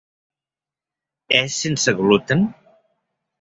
És sense gluten?